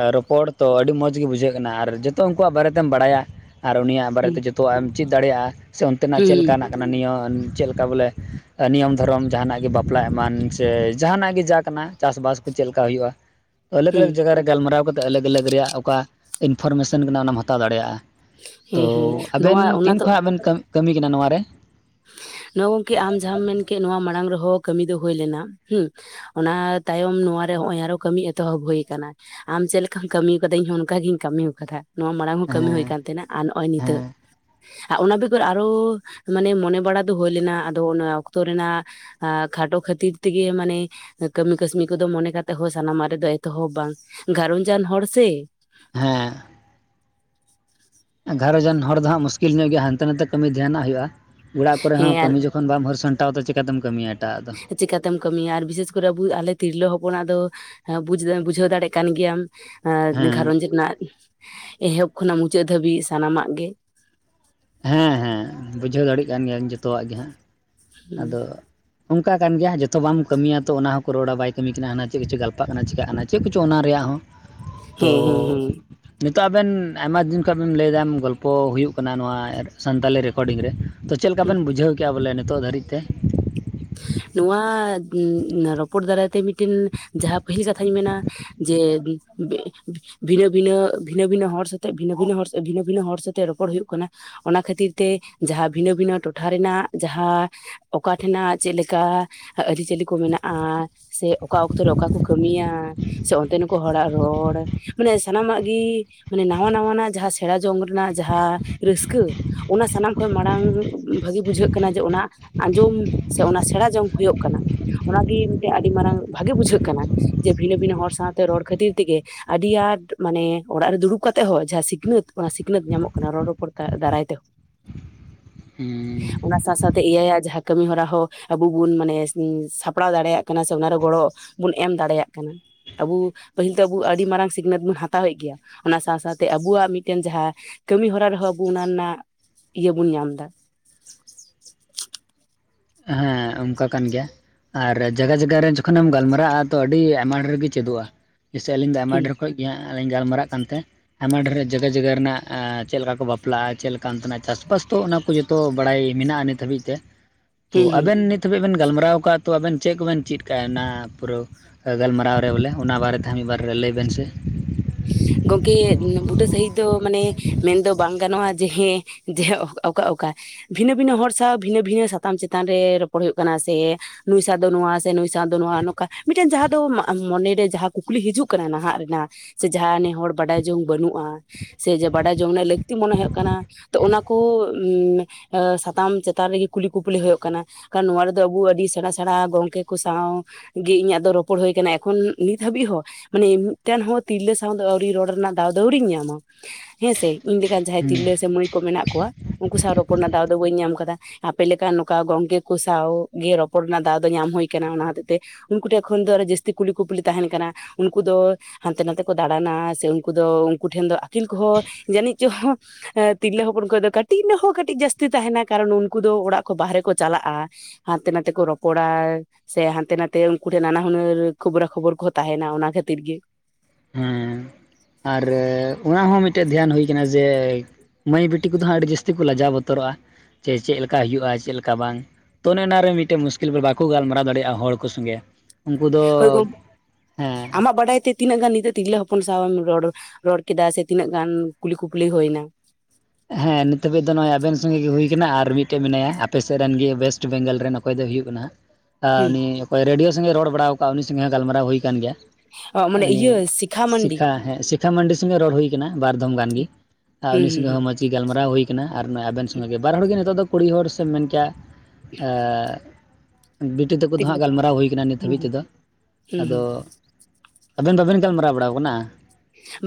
ᱟᱻ ᱨᱚᱯᱚᱲ ᱛᱚ ᱟᱹᱰᱤ ᱢᱚᱸᱡᱽ ᱜᱮ ᱵᱩᱡᱷᱟᱹᱜ ᱠᱟᱱᱟ ᱟᱨ ᱡᱚᱛᱚ ᱩᱝᱠᱩᱣᱟᱜ ᱵᱟᱨᱮ ᱛᱮᱢ ᱵᱟᱲᱟᱭᱟ ᱟᱨ ᱩᱱᱤᱭᱟᱜ ᱵᱟᱨᱮ ᱦᱩᱸ ᱛᱮ ᱡᱚᱛᱚᱣᱟᱜ-ᱮᱢ ᱪᱮᱫ ᱫᱟᱲᱮᱭᱟᱜ-ᱟ ᱥᱮ ᱚᱱᱛᱮ ᱱᱟᱜ ᱦᱩᱸ ᱦᱩᱸ ᱦᱩᱸ ᱪᱮᱫ ᱞᱮᱠᱟ ᱱᱟᱜ ᱠᱟᱱᱟ ᱱᱤᱭᱚ ᱪᱮᱫ ᱞᱮᱠᱟ ᱵᱚᱞᱮ ᱮ ᱱᱤᱭᱚᱢ ᱫᱷᱚᱨᱚᱢ ᱡᱟᱸᱦᱟᱱᱟᱜ ᱜᱮ ᱵᱟᱯᱞᱟ ᱮᱢᱟᱱ ᱥᱮ ᱡᱟᱸᱦᱟᱱᱟᱜ ᱜᱮ ᱡᱟ ᱠᱟᱱᱟ᱾ ᱪᱟᱥᱼᱵᱟᱥ ᱠᱚ ᱪᱮᱫ ᱞᱮᱠᱟ ᱦᱩᱭᱩᱜ-ᱟ? ᱟᱞᱟᱜᱽ ᱟᱞᱟᱜᱽ ᱦᱩᱸ ᱡᱟᱜᱟ ᱨᱮ ᱜᱟᱞᱢᱟᱨᱟᱣ ᱠᱟᱛᱮᱜ ᱟᱞᱟᱜᱽ ᱟᱞᱟᱜᱽ ᱨᱮᱭᱟᱜ ᱚᱠᱟ ᱤᱱᱯᱷᱚᱨᱢᱮᱥᱚᱱ ᱠᱟᱱᱟ ᱚᱱᱟᱢ ᱦᱟᱛᱟᱣ ᱫᱟᱲᱮᱭᱟᱜ-ᱟ᱾ ᱛᱚ ᱦᱮᱸ ᱦᱮᱸ ᱟᱵᱮᱱ ᱱᱚᱣᱟ ᱚᱱᱟ ᱛᱤᱱ ᱫᱚ ᱠᱷᱚᱱᱟᱜ ᱵᱮᱱ ᱠᱟᱹᱢ ᱠᱟᱹᱢᱤ ᱠᱟᱱᱟ ᱱᱚᱣᱟ ᱨᱮ? ᱦᱚᱸ ᱜᱚᱝᱠᱮ ᱟᱢ ᱡᱟᱦᱟᱸᱢ ᱢᱮᱱᱬᱠᱮᱜ ᱱᱚᱣᱟ ᱢᱟᱲᱟᱝ ᱨᱮᱦᱚᱸ ᱠᱟᱹᱢᱤ ᱫᱚ ᱦᱩᱭ ᱞᱮᱱᱟ ᱦᱩᱸ ᱚᱱᱟ ᱛᱟᱭᱚᱢ ᱱᱚᱣᱟ ᱨᱮ ᱦᱚᱸᱜ-ᱚᱭ ᱟᱨᱚ ᱠᱟᱹᱢᱤ ᱮᱛᱚᱦᱚᱵ ᱦᱩᱭ ᱠᱟᱱᱟ᱾ ᱟᱢ ᱪᱮᱫ ᱞᱮᱠᱟᱢ ᱠᱟᱹᱢᱤᱣ ᱠᱟᱫᱟ ᱤᱧ ᱦᱚᱸ ᱚᱱᱠᱟ ᱜᱤᱧ ᱠᱟᱢᱤᱣ ᱠᱟᱫᱟ᱾ ᱱᱚᱣᱟ ᱢᱟᱲᱟᱝ ᱦᱚᱸ ᱠᱟᱹᱢᱤ ᱦᱮᱸ ᱦᱩᱭ ᱠᱟᱱ ᱛᱮᱦᱮᱱᱟ ᱟᱨ ᱱᱚᱜ-ᱚᱸᱭ ᱦᱮᱸ ᱱᱤᱛᱟᱹᱜ᱾ ᱟᱨ ᱚᱱᱟ ᱵᱮᱜᱚᱨ ᱟᱨᱚ ᱢᱟᱱᱮ ᱢᱚᱱᱮ ᱵᱟᱲᱟ ᱫᱚ ᱦᱩᱭ ᱞᱮᱱᱟ ᱟᱫᱚ ᱚᱱᱟ ᱚᱠᱛᱚ ᱨᱮᱱᱟᱜ ᱟᱻ ᱠᱷᱟᱴᱚ ᱠᱷᱟᱹᱛᱤᱨ ᱛᱮᱜᱮ ᱢᱟᱱᱮ ᱠᱟᱹᱢᱤ ᱠᱟᱹᱥᱱᱤ ᱠᱚᱫᱚ ᱢᱚᱱᱮ ᱠᱟᱛᱮᱜ ᱦᱚᱸ ᱥᱟᱱᱟ ᱢᱟᱜ ᱨᱮᱫᱚ ᱮᱛᱚᱦᱚᱵ ᱵᱟᱝ ᱜᱷᱟᱨᱚᱸᱡᱟᱱ ᱦᱚᱲ ᱥᱮ᱾ ᱦᱮᱸ᱾ ᱜᱷᱟᱨᱚᱸᱧᱡᱟᱱ ᱦᱚᱲ ᱫᱚ ᱦᱟᱸᱜ ᱢᱩᱥᱠᱤᱞ ᱧᱚᱜ ᱜᱮᱭᱟ ᱦᱟᱱᱛᱮ ᱱᱟᱛᱮ ᱠᱟᱹᱢᱤ ᱫᱷᱮᱭᱟᱱᱟᱜ ᱦᱩᱭᱩᱜ-ᱟ᱾ ᱚᱲᱟᱜ ᱠᱚᱨᱮ ᱦᱮᱸ ᱦᱚᱸ ᱟᱨ ᱠᱟᱹᱢᱤ ᱡᱚᱠᱷᱚᱱ ᱵᱟᱢ ᱦᱟᱹᱨ ᱥᱟᱢᱴᱟᱣᱟ ᱛᱚ ᱪᱤᱠᱟᱛᱮᱢ ᱠᱟᱹᱢᱤᱭᱟ ᱮᱴᱟᱜ-ᱟᱜ ᱫᱚ᱾ ᱪᱤᱠᱟ ᱛᱮᱢ ᱠᱟᱹᱢᱤᱭᱟ ᱟᱨ ᱵᱤᱥᱮᱥ ᱠᱚᱨᱮ ᱟᱹᱵᱩ ᱟᱞᱮ ᱛᱤᱨᱞᱟᱹ ᱦᱚᱯᱚᱱᱟᱜ ᱫᱚ ᱦᱮᱸ ᱵᱩᱡᱽ ᱫᱟᱵᱮᱱ ᱵᱩᱡᱷᱟᱹᱣ ᱫᱟᱲᱮᱜ ᱠᱟᱱ ᱜᱮᱭᱟᱢ᱾ ᱮᱸ ᱦᱮᱸ ᱜᱷᱟᱨᱚᱸᱡᱽ ᱨᱮᱱᱟᱜ ᱮᱦᱚᱵ ᱠᱷᱚᱱᱟᱜ ᱢᱩᱪᱟᱹᱫ ᱫᱷᱟᱹᱵᱤᱡ ᱥᱟᱱᱟᱢᱟᱜ ᱜᱮ᱾ ᱦᱮᱸ ᱦᱮᱸ ᱵᱩᱡᱷᱟᱹᱣ ᱫᱟᱲᱤᱜ ᱠᱟᱱ ᱜᱤᱭᱟᱹᱧ ᱡᱚᱛᱚᱣᱟᱜ ᱜᱮ ᱦᱟᱸᱜ ᱟᱫᱚ ᱚᱱᱠᱟ ᱠᱟᱱ ᱜᱮᱭᱟ ᱡᱚᱛᱚ ᱵᱟᱢ ᱠᱟᱹᱢᱤᱭᱟ ᱛᱚ ᱚᱱᱟ ᱦᱚᱸᱠᱚ ᱨᱚᱲᱟ ᱵᱟᱭ ᱠᱟᱹᱢᱤ ᱠᱟᱱᱟ ᱦᱟᱱᱟ ᱪᱮᱜ ᱠᱚᱪᱚ ᱜᱟᱞᱯᱟᱜ ᱠᱟᱱᱟ ᱪᱮᱠᱟ‌ᱜ ᱠᱟᱱᱟ ᱪᱮᱜ ᱠᱚᱪᱚ ᱚᱱᱟ ᱨᱮᱭᱟᱜ ᱦᱚᱸ᱾ ᱛᱚ ᱦᱮᱸ ᱦᱮᱸ ᱦᱮᱸ ᱱᱤᱛᱚᱜ ᱟᱵᱮᱱ ᱟᱭᱢᱟ ᱫᱤᱱ ᱠᱷᱚᱱ ᱵᱮᱱ ᱞᱟᱹᱭᱫᱟᱢ ᱜᱚᱞᱯᱚ ᱦᱩᱭᱩᱜ ᱠᱟᱱᱟ ᱱᱚᱣᱟ ᱮᱨ ᱥᱟᱱᱛᱟᱞᱤ ᱨᱮᱠᱚᱰᱤᱝ ᱨᱮ᱾ ᱛᱚ, ᱪᱮᱫᱞᱮᱠᱟ ᱵᱮᱱ ᱵᱩᱡᱷᱟᱹᱣ ᱠᱮᱜ-ᱟ ᱵᱚᱞᱮ ᱱᱤᱛᱚᱜ ᱫᱷᱟᱹᱨᱤᱡ ᱛᱮ? ᱱᱚᱣᱟ ᱩᱸ ᱨᱚᱯᱚᱲ ᱫᱟᱨᱟᱭ ᱛᱮ ᱢᱤᱫᱴᱮᱱ ᱡᱟᱦᱟᱸ ᱯᱟᱹᱦᱤᱞ ᱠᱟᱛᱷᱟᱧ ᱢᱮᱱᱟ᱾ ᱡᱮ ᱵᱤᱪ ᱵᱮᱜ ᱵᱤ ᱵᱷᱤᱱᱟᱹ ᱵᱷᱤᱱᱟᱹ ᱵᱷᱤᱱᱟᱹ ᱵᱷᱤᱱᱟᱹ ᱦᱚᱲ ᱥᱚᱛᱮᱜ ᱵᱷᱤᱱᱟᱹ ᱵᱷᱤᱱᱟᱹ ᱦᱚᱲ ᱥᱟᱛᱮᱜ ᱵᱷᱤᱱᱟᱹ ᱵᱷᱤᱱᱟᱹ ᱦᱚᱲ ᱥᱚᱛᱮᱜ ᱨᱚᱯᱚᱲ ᱦᱩᱭᱩᱜ ᱠᱟᱱᱟ᱾ ᱚᱱᱟ ᱠᱷᱟᱹᱛᱤᱨ ᱛᱮ ᱡᱟᱦᱟᱸ ᱵᱷᱤᱱᱟᱹ ᱵᱷᱤᱱᱟᱹ ᱴᱚᱴᱷᱟ ᱨᱮᱱᱟᱜ ᱡᱟᱦᱟᱸ ᱚᱠᱟ ᱴᱷᱮᱱᱟᱜ ᱪᱮᱫᱞᱮᱠᱟ ᱟᱹᱨᱤᱼᱪᱟᱹᱞᱤ ᱠᱚ ᱢᱮᱱᱟᱜ-ᱟ ᱥᱮ ᱚᱠᱟ ᱚᱠᱛᱚ ᱨᱮ ᱚᱠᱟ ᱠᱚ ᱠᱟᱹᱢᱤᱭᱟ? ᱥᱮ ᱚᱱᱛᱮᱱ ᱠᱚ ᱦᱚᱲᱟᱜ ᱨᱚᱲ ᱢᱟᱱᱮ ᱥᱟᱱᱟᱢᱟᱜ ᱜᱤ ᱢᱟᱱᱮ ᱱᱟᱣᱟ ᱱᱟᱣᱟ ᱱᱟᱜ ᱡᱟᱦᱟᱸ ᱥᱮᱬᱟ ᱡᱚᱝ ᱨᱮᱱᱟᱜ ᱡᱟᱦᱟᱸ ᱨᱟᱹᱥᱠᱟᱹ ᱚᱱᱟ ᱥᱟᱱᱟᱢ ᱠᱷᱚᱱ ᱢᱟᱬᱟᱝ ᱩᱸ ᱵᱷᱟᱹᱜᱤ ᱵᱩᱡᱷᱟᱹᱜ ᱠᱟᱱᱟ ᱡᱮ ᱚᱱᱟ ᱟᱸᱡᱚᱢ ᱥᱮ ᱚᱱᱟ ᱥᱮᱬᱟ ᱡᱚᱝ ᱦᱳᱭᱳᱜ ᱠᱟᱱᱟ ᱚᱱᱟ ᱜᱤ ᱢᱤᱫᱴᱮᱜ ᱟᱰᱤ ᱢᱟᱨᱟᱝ ᱵᱷᱟᱜᱮ ᱵᱩᱡᱷᱟᱹᱜ ᱠᱟᱱᱟ᱾ ᱡᱮ ᱵᱷᱤᱱᱟᱹ ᱵᱷᱤᱱᱟᱹ ᱦᱚᱲ ᱥᱟᱶᱛᱮ ᱨᱚᱲ ᱠᱷᱟᱹᱛᱤᱨ ᱛᱮᱜᱮ ᱟᱹᱰᱤ ᱟᱸᱴ ᱢᱟᱱᱮ ᱚᱲᱟᱜ ᱨᱮ ᱫᱩᱲᱩᱵ ᱠᱟᱛᱮᱜ ᱦᱚᱸ ᱡᱟᱦᱟᱸ ᱥᱤᱠᱷᱱᱟᱹᱛ ᱚᱱᱟ ᱥᱤᱠᱷᱱᱟᱹᱛ ᱧᱟᱢᱚᱜ ᱠᱟᱱᱟ ᱨᱚᱲ ᱨᱚᱯᱚᱲ ᱠᱟ‌ ᱫᱟᱨᱟᱭ ᱛᱮᱦᱚᱸ᱾ ᱚᱱᱟ ᱥᱟᱶ ᱥᱟᱶᱛᱮ ᱤᱭᱟ ᱭᱟᱜ ᱡᱟᱦᱟᱸ ᱠᱟᱹᱢᱤ ᱦᱚᱨᱟᱼᱼ ᱦᱚ ᱟᱹᱵᱩ ᱵᱩᱱ ᱢᱟᱱᱮ ᱩᱸ ᱥᱟᱯᱲᱟᱣ ᱫᱟᱲᱮᱭᱟᱜ ᱠᱟᱱᱟ ᱥᱮ ᱚᱱᱟ ᱨᱮ ᱜᱚᱲᱚ ᱵᱩᱱ ᱮᱢ ᱫᱟᱲᱮᱭᱟᱜ ᱠᱟᱱᱟ᱾ ᱟᱵᱩ ᱯᱟᱹᱦᱤᱞ ᱫᱚ ᱟᱹᱵᱩ ᱟᱹᱰᱤ ᱢᱟᱨᱟᱝ ᱥᱤᱠᱷᱱᱟᱹᱛ ᱵᱩᱱ ᱦᱟᱛᱟᱣᱮᱜ ᱜᱮᱭᱟ ᱚᱱᱟ ᱥᱟᱶ ᱥᱟᱶᱛᱮ ᱟᱹᱵᱩᱣᱟᱜ ᱢᱤᱫᱴᱮᱱ ᱡᱟᱦᱟᱸᱼᱼ ᱠᱟᱹᱢᱤ ᱦᱚᱨᱟ ᱨᱮᱦᱚᱸ ᱟᱹᱵᱩ ᱚᱱᱟ ᱨᱮᱱᱟᱜ ᱤᱭᱟᱹ ᱵᱩᱱ ᱧᱟᱢ ᱫᱟ᱾ ᱦᱮᱸ ᱚᱱᱠᱟ ᱠᱟᱱ ᱜᱮᱭᱟ᱾ ᱟᱨ ᱡᱟᱭᱜᱟ ᱡᱟᱜᱟ ᱨᱮ ᱡᱚᱠᱷᱚᱱᱮᱢ ᱜᱟᱞᱢᱟᱨᱟᱜ-ᱟ ᱛᱚ ᱟᱹᱰᱤ ᱟᱭᱢᱟ ᱰᱷᱮᱨ ᱜᱮ ᱪᱮᱫᱚᱜ-ᱟ᱾ ᱡᱮᱭᱥᱮ ᱟᱹᱞᱤᱧ ᱫᱚ ᱟᱭᱢᱟ ᱦᱩᱸ ᱰᱷᱮᱨ ᱠᱷᱚᱡ ᱜᱮ ᱦᱟᱸᱜ ᱞᱤᱧ ᱜᱟᱞᱢᱟᱨᱟᱜ ᱠᱟᱱᱛᱮᱼᱼ ᱟᱭᱢᱟ ᱰᱷᱮᱨ ᱡᱟᱜᱟ ᱡᱟᱜᱟ ᱨᱮᱱᱟᱜ ᱟᱸ ᱪᱮᱜ ᱞᱮᱠᱟ ᱠᱚ ᱵᱟᱯᱞᱟᱜ-ᱟ ᱪᱮᱜ ᱞᱮᱠᱟ ᱚᱱᱛᱮ ᱱᱟᱜ ᱪᱟᱥᱼ ᱵᱟᱥ ᱛᱚ ᱚᱱᱟ ᱠᱚ ᱡᱚᱛᱼᱼ ᱛᱚ ᱵᱟᱲᱟᱭ ᱢᱤᱱᱟᱜ-ᱟ ᱱᱤᱛ ᱦᱟᱹᱵᱤᱡ ᱛᱮ᱾ ᱛᱚ ᱦᱩᱸ ᱦᱩᱸ ᱟᱵᱮᱱ ᱱᱤᱛ ᱦᱟᱹᱵᱤᱡ ᱵᱮᱱ ᱜᱟᱞᱢᱟᱨᱟᱣ ᱠᱟᱜ-ᱟ ᱛᱚ ᱟᱵᱮᱱ ᱪᱮᱜ ᱠᱚᱵᱮᱱ ᱪᱤᱫ ᱠᱟᱜ-ᱟ ᱚᱱᱟ ᱯᱩᱨᱟᱹᱣᱼᱼ ᱟ ᱜᱟᱞᱢᱟᱨᱟᱣ ᱨᱮ ᱵᱚᱞᱮ ᱚᱱᱟ ᱵᱟᱨᱮ ᱛᱮ ᱦᱚᱸ ᱢᱤᱫ ᱵᱟᱨ ᱞᱟᱹᱭ ᱵᱮᱱ ᱥᱮ? ᱜᱚᱝᱠᱮ ᱵᱩᱴᱟᱹ ᱥᱟᱦᱤᱛ ᱫᱚ ᱢᱟᱱᱮ ᱢᱮᱱᱫᱚ ᱵᱟᱝ ᱜᱟᱱᱚᱜᱼᱟ ᱡᱮ ᱦᱮᱸ ᱡᱮ ᱚᱠᱟ ᱚᱠᱟ ᱵᱷᱤᱱᱟᱹ ᱵᱷᱤᱱᱟᱹ ᱦᱚᱲ ᱥᱟᱶ ᱵᱷᱤᱱᱟᱹ ᱵᱷᱤᱱᱟᱹ ᱥᱟᱛᱟᱢ ᱪᱮᱛᱟᱱ ᱨᱮ ᱨᱚᱯᱚᱲ ᱦᱩᱭᱩᱜ ᱠᱟᱱᱟ ᱥᱮ ᱱᱩᱭ ᱥᱟ ᱫᱚ ᱱᱚᱶᱟ ᱥᱮ ᱱᱩᱭ ᱥᱟᱶ ᱫᱚ ᱱᱚᱶᱟ ᱱᱚᱝᱠᱟ ᱢᱤᱫ ᱴᱮᱱ ᱡᱟᱦᱟᱸ ᱫᱚ ᱢᱚᱱᱮᱨᱮ ᱡᱟᱦᱟᱸ ᱠᱩᱠᱞᱤ ᱦᱤᱡᱩᱜ ᱠᱟᱱᱟ ᱱᱟᱦᱟᱜ ᱨᱮᱱᱟᱜ ᱥᱮ ᱡᱟᱦᱟᱸ ᱟᱱᱤᱡ ᱦᱚᱲ ᱵᱟᱰᱟᱭ ᱡᱚᱝ ᱵᱟᱹᱱᱩᱜᱼᱟ ᱥᱮ ᱵᱟᱰᱟᱭ ᱡᱚᱝ ᱨᱮᱭᱟᱜ ᱞᱟᱹᱠᱛᱤ ᱢᱚᱱᱮ ᱦᱩᱭᱩᱜ ᱠᱟᱱᱟ᱾ ᱛᱚ ᱚᱱᱟ ᱠᱚ ᱥᱟᱛᱟᱢ ᱪᱮᱛᱟᱱ ᱨᱮᱜᱮ ᱠᱩᱞᱤ ᱠᱩᱯᱞᱤ ᱦᱩᱭᱩᱜ ᱠᱟᱱᱟ᱾ ᱱᱚᱶᱟ ᱨᱮ ᱫᱚ ᱟᱵᱚ ᱟᱹᱰᱤ ᱥᱮᱬᱟ ᱥᱮᱬᱟ ᱜᱚᱝᱠᱮ ᱠᱚ ᱥᱟᱶ ᱜᱮ ᱤᱧᱟᱹᱜ ᱫᱚ ᱨᱚᱯᱚᱲ ᱦᱩᱭ ᱟᱠᱟᱱᱟ ᱮᱠᱷᱚᱱ ᱱᱤᱛ ᱦᱟᱹᱵᱤᱡ ᱦᱚᱸ ᱢᱟᱱᱮ ᱢᱤᱫ ᱴᱮᱱ ᱦᱚᱲ ᱛᱤᱨᱞᱟᱹ ᱥᱟᱶ ᱫᱚ ᱟᱹᱣᱲᱤ ᱨᱚᱲ ᱨᱮᱱᱟᱜ ᱫᱟᱣᱫᱟᱹᱣᱲᱤᱧ ᱧᱟᱢᱟ ᱦᱮᱸᱥᱮ ᱤᱧ ᱞᱮᱠᱟᱱ ᱡᱟᱦᱟᱸᱭ ᱦᱮᱸ ᱛᱤᱨᱞᱟᱹ ᱥᱮ ᱦᱚᱲ ᱠᱚ ᱢᱮᱱᱟᱜ ᱠᱚᱣᱟ᱾ ᱩᱱᱠᱩ ᱥᱟᱶ ᱨᱚᱯᱚᱲ ᱨᱮᱱᱟᱜ ᱫᱟᱣ ᱫᱚ ᱵᱟᱹᱧ ᱧᱟᱢ ᱟᱠᱟᱫᱟ ᱟᱯᱮ ᱞᱮᱠᱟᱱ ᱱᱚᱝᱠᱟ ᱜᱚᱝᱠᱮ ᱠᱚ ᱥᱟᱶ ᱜᱮ ᱨᱚᱯᱚᱲ ᱨᱮᱱᱟᱜ ᱫᱟᱣ ᱫᱚ ᱧᱟᱢ ᱦᱩᱭ ᱟᱠᱟᱱᱟ ᱚᱱᱟ ᱦᱚᱛᱮᱡ ᱛᱮ ᱩᱱᱠᱩ ᱴᱷᱮᱱ ᱠᱷᱚᱱ ᱫᱚ ᱡᱟᱹᱥᱛᱤ ᱠᱩᱞᱤ ᱠᱩᱯᱞᱤ ᱛᱟᱦᱮᱱ ᱠᱟᱱᱟ ᱩᱱᱠᱩ ᱫᱚ ᱦᱟᱱᱛᱮ ᱱᱟᱛᱮ ᱠᱚ ᱫᱟᱬᱟᱱᱟ ᱥᱮ ᱩᱱᱠᱩ ᱫᱚ ᱩᱱᱠᱩ ᱴᱷᱮᱱ ᱫᱚ ᱟᱹᱠᱤᱞ ᱠᱚᱦᱚᱸ ᱡᱟᱹᱱᱤᱡ ᱪᱚᱝ ᱦᱚᱸ ᱛᱤᱨᱞᱟᱹ ᱦᱚᱯᱚᱱ ᱠᱷᱚᱱ ᱫᱚ ᱠᱟᱹᱴᱤᱡ ᱨᱮᱦᱚ ᱠᱟᱹᱴᱤᱡ ᱡᱟᱹᱥᱛᱤ ᱛᱟᱦᱮᱱᱟ ᱠᱟᱨᱚᱱ ᱩᱱᱠᱩ ᱫᱚ ᱚᱲᱟᱜ ᱠᱚ ᱵᱟᱦᱨᱮ ᱠᱚ ᱪᱟᱞᱟᱜᱼᱟ᱾ ᱦᱟᱱᱛᱮ ᱱᱟᱛᱮ ᱠᱚ ᱨᱚᱯᱚᱲᱟ ᱥᱮ ᱦᱟᱱᱛᱮ ᱱᱟᱛᱮ ᱩᱱᱠᱩ ᱴᱷᱮᱱ ᱱᱟᱱᱟ ᱦᱩᱱᱟᱹᱨ ᱠᱷᱚᱵᱨᱟ ᱠᱷᱚᱵᱚᱨ ᱠᱚᱦᱚ ᱛᱟᱦᱮᱱᱟ ᱚᱱᱟ ᱠᱷᱟᱹᱛᱤᱨ ᱜᱮ ᱦᱮᱸ ᱟᱨ ᱚᱱᱟ ᱦᱚ ᱢᱤᱫᱴᱮᱡ ᱫᱷᱮᱭᱟᱱ ᱦᱩᱭ ᱟᱠᱟᱱᱟ ᱡᱮ ᱢᱟᱹᱭ ᱵᱤᱴᱤ ᱠᱚᱫᱚ ᱦᱟᱸᱜ ᱟᱹᱰᱤ ᱡᱟᱹᱥᱛᱤ ᱠᱚ ᱞᱟᱡᱟᱣ ᱵᱚᱛᱚᱨᱚᱜᱼᱟ ᱡᱮ ᱪᱮᱫ ᱞᱮᱠᱟ ᱦᱩᱭᱩᱜᱼᱟ ᱪᱮᱫ ᱞᱮᱠᱟ ᱵᱟᱝ ᱛᱚ ᱚᱱᱮ ᱚᱱᱟᱨᱮ ᱢᱤᱫ ᱴᱮᱡ ᱢᱩᱥᱠᱤᱞ ᱵᱟᱠᱚ ᱜᱟᱞᱢᱟᱨᱟᱣ ᱫᱟᱲᱮᱭᱟᱜᱼᱟ ᱦᱚᱲ ᱠᱚ ᱥᱚᱸᱜᱮ ᱩᱱᱠᱩ ᱫᱚ ᱦᱳᱭ ᱜᱚᱢ ᱦᱮᱸ ᱟᱢᱟᱜ ᱵᱟᱰᱟᱭ ᱛᱮ ᱛᱤᱱᱟᱹᱜ ᱜᱟᱱ ᱱᱤᱛᱚᱜ ᱛᱤᱨᱞᱟᱹ ᱦᱚᱯᱚᱱ ᱥᱟᱶ ᱨᱚᱲ, ᱨᱚᱲ ᱠᱮᱫᱟ ᱥᱮ ᱛᱤᱱᱟᱹᱜ ᱜᱟᱱ ᱠᱩᱞᱤ ᱠᱩᱠᱞᱤ ᱦᱩᱭᱮᱱᱟ? ᱦᱮᱸ ᱱᱤᱛ ᱦᱤᱡ ᱫᱚ ᱱᱚᱜᱼᱚᱭ ᱟᱵᱮᱱ ᱥᱚᱸᱜᱮ ᱜᱮ ᱦᱩᱭ ᱟᱠᱟᱱᱟ ᱟᱨ ᱢᱤᱫᱴᱮᱡ ᱢᱮᱱᱟᱭᱟ ᱟᱯᱮ ᱥᱮᱫ ᱨᱮᱱ ᱜᱮ ᱣᱮᱥᱴ ᱵᱮᱝᱜᱚᱞ ᱨᱮᱱ ᱚᱠᱚᱭ ᱫᱚᱭ ᱦᱩᱭᱩᱜ ᱠᱟᱱᱟ ᱦᱚ ᱦᱩᱸ ᱩᱱᱤ ᱚᱠᱚᱭ ᱨᱮᱰᱤᱭᱳ ᱥᱚᱸᱜᱮ ᱨᱚᱲ ᱵᱟᱲ ᱠᱟᱜ ᱩᱱᱤ ᱥᱚᱸᱜᱮ ᱦᱚᱸ ᱜᱟᱞᱢᱟᱨᱟᱣ ᱦᱩᱭ ᱟᱠᱟᱱ ᱜᱮᱭᱟ᱾ ᱢᱟᱱᱮ ᱤᱭᱟᱹ ᱥᱤ ᱥᱤᱷᱟ ᱦᱮᱸ ᱥᱤᱠᱠᱷᱟ ᱢᱟᱱᱰᱤ ᱥᱚᱸᱜᱮ ᱨᱚᱲ ᱦᱩᱭᱩᱠᱟᱱᱟ ᱵᱟᱨ ᱫᱷᱚᱢ ᱜᱟᱱᱜᱮ ᱟᱨ ᱦᱩᱸ ᱩᱱᱤ ᱥᱚᱸᱜᱮ ᱦᱩᱸ ᱦᱚᱸ ᱢᱚᱸᱡᱽ ᱤ ᱜᱟᱞᱢᱟᱨᱟᱣ ᱦᱩᱭ ᱟᱠᱟᱱᱟ ᱟᱨ ᱱᱚᱜᱼᱚᱭ ᱟᱵᱮᱱ ᱦᱩᱸ ᱥᱚᱸᱜᱮ ᱜᱮ ᱵᱟᱨ ᱦᱚᱲᱮ ᱱᱤᱛᱚᱜ ᱫᱚ ᱠᱩᱲᱤ ᱦᱚᱲ ᱥᱮᱢ ᱢᱮᱱ ᱠᱮᱭᱟ ᱟ ᱵᱤᱴᱤ ᱛᱟᱠᱚ ᱫᱚ ᱛᱤᱨᱞᱟᱹ ᱦᱟᱸᱜ ᱜᱟᱞᱢᱟᱨᱟᱣ ᱦᱩᱭ ᱠᱟᱱᱟ ᱱᱤᱛ ᱦᱩᱸ ᱦᱟᱹᱵᱤᱡ ᱦᱩᱸ ᱛᱮᱫᱚ ᱦᱩᱸ ᱟᱫᱚ ᱦᱩᱸ ᱟᱵᱮᱱ ᱫᱚ ᱟᱵᱮᱱ ᱜᱟᱞᱢᱟᱨᱟᱣ ᱵᱟᱲᱟᱣ ᱠᱟᱱᱟ?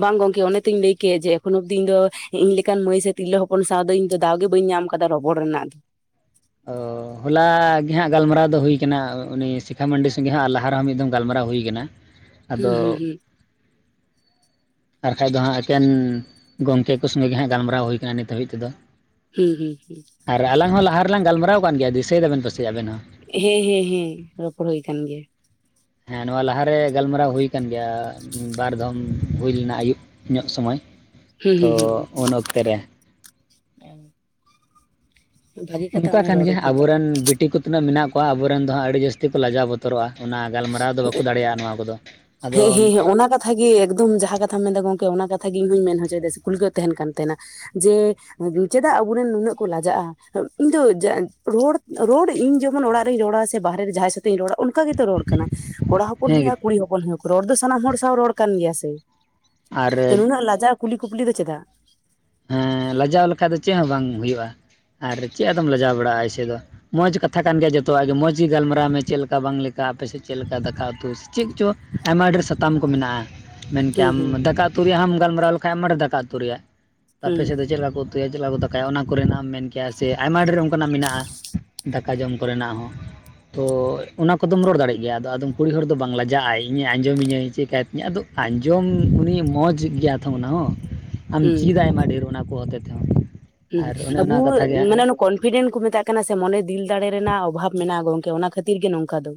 ᱵᱟᱝ ᱜᱚᱝᱠᱮ ᱚᱱᱮ ᱛᱤᱧ ᱞᱟᱹᱭ ᱠᱮ ᱡᱮ ᱮᱠᱷᱚᱱ ᱚᱵᱫᱤᱧ ᱫᱚ ᱤᱧ ᱞᱮᱠᱟᱱ ᱢᱟᱹᱭ ᱥᱮ ᱛᱤᱨᱞᱟᱹ ᱦᱚᱯᱚᱱ ᱥᱟᱶ ᱫᱚ ᱤᱧ ᱫᱚ ᱫᱟᱣ ᱜᱮ ᱵᱟᱹᱧ ᱧᱟᱢ ᱟᱠᱟᱫᱟ ᱚ ᱨᱚᱯᱚᱲ ᱨᱮᱱᱟᱜ ᱫᱚ ᱚ ᱦᱚᱞᱟᱜ ᱜᱮ ᱦᱟᱸᱜ ᱜᱟᱞᱢᱟᱨᱟᱣ ᱫᱚ ᱦᱩᱭᱩᱟᱱᱟ ᱩᱱᱤ ᱥᱤᱠᱷᱟ ᱢᱟᱱᱰᱤ ᱥᱚᱸᱜᱮ ᱦᱚᱸ ᱟᱨ ᱞᱟᱦᱟᱨ ᱨᱮᱦᱚᱸ ᱢᱤᱫ ᱫᱚᱢ ᱜᱟᱞᱢᱟᱨᱟᱣ ᱦᱩᱭᱩ ᱟᱱᱟ [inaudible] ᱦᱩᱸ ᱦᱩᱸ ᱦᱩᱸ ᱟᱨ ᱠᱷᱟᱡ ᱫᱚ ᱦᱟᱸᱜ ᱮᱠᱮᱱ ᱜᱚᱝᱠᱮ ᱠᱚ ᱥᱚᱸᱜᱮ ᱜᱮ ᱦᱟᱸᱜ ᱜᱟᱞᱢᱟᱨᱟᱣ ᱦᱩᱭ ᱟᱠᱟᱱᱟᱱᱟ ᱱᱤᱛ ᱦᱟᱹᱵᱤᱡ ᱛᱮᱫᱚ ᱦᱩᱸ ᱦᱩᱸ ᱦᱩᱸ ᱟᱨ ᱟᱞᱟᱝ ᱦᱚᱸ ᱞᱟᱦᱟ ᱨᱮᱞᱟᱝ ᱜᱟᱞᱢᱟᱨᱟᱣ ᱠᱟᱱ ᱜᱮᱭᱟ ᱫᱤᱥᱟᱹᱭ ᱫᱟᱵᱮᱱ ᱯᱟᱥᱮᱭᱟᱜ ᱟᱵᱮᱱ ᱦᱚᱸ ᱦᱮᱸ ᱦᱮᱸ ᱦᱮᱸ ᱨᱚᱯᱚᱲ ᱦᱩᱭ ᱠᱟᱱ ᱜᱮᱭᱟ᱾ ᱦᱮᱸ ᱱᱚᱣᱟ ᱞᱟᱦᱟᱮ ᱜᱟᱞᱢᱟᱨᱟᱣ ᱦᱩᱭ ᱟᱠᱟᱱ ᱜᱮᱭᱟ ᱵᱟᱨ ᱫᱷᱚᱢ ᱦᱩᱭ ᱞᱮᱱᱟ ᱟᱹᱭᱩᱵ᱾ ᱧᱚᱜ ᱥᱚᱢᱚᱭ ᱦᱩᱸ ᱛᱚ ᱦᱩᱸ ᱦᱩᱸ ᱩᱱ ᱚᱠᱛᱮ ᱨᱮ᱾ [unintelligible] ᱵᱷᱟᱜᱤ ᱠᱟᱛᱷᱟ ᱚᱱᱠᱟ ᱱᱚᱜᱼᱚᱭ ᱠᱟᱱ ᱨᱚᱲ ᱜᱮᱭᱟ ᱨᱚᱯᱚᱲ ᱛᱟᱞᱟᱝ ᱟᱵᱚᱨᱮᱱ ᱵᱤᱴᱤ ᱠᱚ ᱛᱤᱱᱟᱹᱜ ᱢᱮᱱᱟᱜ ᱠᱚᱣᱟ ᱟᱵᱚᱨᱮᱱ ᱫᱚ ᱦᱟᱸᱜ ᱟᱹᱰᱤ ᱡᱟᱹᱥᱛᱤ ᱠᱚ ᱞᱟᱡᱟᱣ ᱵᱚᱫᱚᱜᱼᱟ ᱵᱚᱛᱚᱨᱚᱜᱼᱟ, ᱚᱱᱟ ᱜᱟᱞᱢᱟᱨᱟᱣ ᱫᱚ ᱵᱟᱠᱚ ᱫᱟᱲᱮᱭᱟᱜᱼᱟ ᱱᱚᱣᱟ ᱠᱚᱫᱚ᱾ ᱟᱫᱚ ᱦᱮᱸ ᱦᱮᱸ ᱚᱱᱟ ᱠᱟᱛᱷᱟ ᱜᱮ ᱮᱠᱫᱚᱢ ᱡᱟᱦᱟᱸ ᱠᱟᱛᱷᱟᱢ ᱢᱮᱱᱫᱟ ᱜᱚᱝᱠᱮ ᱚᱱᱟ ᱠᱟᱛᱷᱟ ᱜᱮ ᱤᱧᱦᱩᱧ ᱢᱮᱱ ᱦᱚᱪᱚᱭᱮᱫᱟ ᱥᱮ ᱠᱩᱠᱞᱤ ᱛᱟᱦᱮᱱ ᱠᱟᱱ ᱛᱟᱦᱮᱱᱟ᱾ ᱡᱮ ᱪᱮᱫᱟᱜ ᱟᱵᱚᱨᱮᱱ ᱱᱩᱱᱟᱹᱜ ᱠᱚ ᱞᱟᱡᱟᱜᱼᱟ ᱤᱧ ᱫᱚ ᱨᱚᱲ ᱨᱚᱲ ᱤᱧ ᱡᱮᱢᱚᱱ ᱚᱲᱟᱜ ᱨᱤᱧ ᱨᱚᱲᱟ ᱥᱮ ᱵᱟᱦᱨᱮ ᱨᱮ ᱡᱟᱦᱟᱸᱭ ᱥᱟ ᱨᱚᱲᱟ ᱚᱱᱠᱟ ᱜᱮ ᱛᱚ ᱨᱚᱲ ᱠᱟᱱᱟ ᱠᱚᱲᱟ ᱦᱚᱯᱚᱱ ᱦᱮᱸ ᱦᱩᱭᱩᱜᱼᱟ ᱠᱩᱲᱤ ᱦᱚᱯᱚᱱ ᱦᱩᱭᱩᱜ ᱾ ᱨᱚᱲ ᱫᱚ ᱥᱟᱱᱟᱢ ᱦᱚᱲ ᱥᱟᱶ ᱨᱚᱲ ᱠᱟᱱ ᱜᱮᱭᱟ ᱥᱮ ᱟᱨ ᱛᱚ ᱱᱩᱱᱟᱹᱜ ᱞᱟᱡᱟᱣ ᱠᱩᱞᱤ ᱠᱩᱯᱞᱤ ᱫᱚ ᱪᱮᱫᱟᱜ? ᱦᱮᱸ ᱞᱟᱡᱟᱣ ᱞᱮᱠᱷᱟᱡ ᱫᱚ ᱪᱮᱫ ᱦᱚᱸ ᱵᱟᱝ ᱦᱩᱭᱩᱜᱼᱟ ᱟᱨ ᱪᱮᱫ ᱟᱫᱚᱢ ᱞᱟᱡᱟᱣ ᱵᱟᱲᱟᱜᱼᱟ ᱮᱭᱥᱮ ᱫᱚ ᱾ ᱢᱚᱸᱡᱽ ᱠᱟᱛᱷᱟ ᱠᱟᱱ ᱜᱮᱭᱟ ᱡᱚᱛᱚᱣᱟᱜ ᱜᱮ ᱢᱚᱸᱡᱽ ᱜᱮ ᱜᱟᱞᱢᱟᱨᱟᱣ ᱢᱮ ᱪᱮᱫ ᱞᱮᱠᱟ ᱵᱟᱝ ᱞᱮᱠᱟ ᱟᱯᱮᱥᱮᱫ ᱪᱮᱫ ᱞᱮᱠᱟ ᱫᱟᱠᱟ ᱩᱛᱩ? ᱪᱮᱫ ᱪᱚ ᱟᱭᱢᱟ ᱰᱷᱮᱨ ᱥᱟᱛᱟᱢ ᱠᱚ ᱢᱮᱱᱟᱜᱼᱟ᱾ ᱢᱮᱱ ᱦᱩᱸ ᱠᱮᱭᱟᱢ ᱦᱩᱸ ᱫᱟᱠᱟ ᱩᱛᱩ ᱨᱮᱭᱟᱜ ᱦᱚᱸᱢ ᱜᱟᱞᱢᱟᱨᱟᱣ ᱞᱮᱠᱷᱟᱱ ᱢᱟ ᱫᱟᱠᱟ ᱩᱛᱩ ᱨᱮᱭᱟᱜ᱾ ᱟᱯᱮ ᱦᱩᱸ ᱥᱮᱫ ᱫᱚ ᱪᱮᱫ ᱞᱮᱠᱟ ᱠᱚ ᱩᱛᱩᱭᱟ ᱪᱮᱫ ᱞᱮᱠᱟ ᱠᱚ ᱫᱟᱠᱟᱭᱟ ᱚᱱᱟ ᱠᱚᱨᱮᱱᱟᱜ ᱮᱢ ᱢᱮᱱ ᱠᱮᱭᱟ ᱥᱮ ᱟᱭᱢᱟ ᱰᱷᱮᱨ ᱚᱱᱠᱟᱱᱟᱜ ᱢᱮᱱᱟᱜᱼᱟ᱾ ᱫᱟᱠᱟ ᱡᱚᱢ ᱠᱚᱨᱮ ᱱᱟᱜ ᱦᱚᱸ ᱛᱚ ᱚᱱᱟ ᱠᱚᱫᱚᱢ ᱨᱚᱲ ᱫᱟᱲᱮᱜ ᱜᱮᱭᱟ ᱟᱫᱚ ᱟᱫᱚᱢ ᱠᱩᱲᱤ ᱦᱚᱲ ᱫᱚ ᱵᱟᱝ ᱞᱟᱡᱟᱜᱼᱟᱭ ᱤᱧᱮ ᱟᱸᱡᱚᱢᱤᱧᱟᱹᱭ ᱪᱮᱠᱟᱭᱛᱤᱧᱟᱹ ᱟᱫᱚ ᱟᱸᱡᱚᱢ ᱩᱱᱤ ᱢᱚᱸᱡᱽ ᱜᱮᱭᱟ ᱛᱷᱚ ᱚᱱᱟ ᱦᱚᱸ᱾ ᱟᱢ ᱦᱩᱸ ᱪᱤᱫᱟ ᱟᱭᱢᱟ ᱰᱷᱮᱨ ᱚᱱᱟ ᱠᱚ ᱦᱚᱛᱮ ᱛᱮ ᱦᱚᱸ ᱟᱵᱩ ᱢᱟᱱᱮᱼᱼ ᱠᱚᱱᱯᱷᱤᱰᱮᱱᱴ ᱠᱚ ᱢᱮᱛᱟᱜ ᱠᱟᱱᱟ ᱥᱮ ᱢᱚᱱᱮ ᱫᱤᱞ ᱫᱟᱲᱮ ᱨᱮᱱᱟᱜ ᱚᱵᱷᱟᱵ ᱢᱮᱱᱟᱜᱼᱟ ᱜᱚᱝᱠᱮ ᱚᱱᱟ ᱠᱷᱟᱹᱛᱤᱨ ᱜᱮ ᱱᱚᱝᱠᱟ ᱫᱚ᱾